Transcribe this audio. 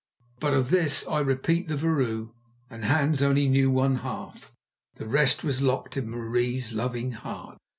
But of this I repeat the vrouw and Hans only knew one half; the rest was locked in Marie's loving heart.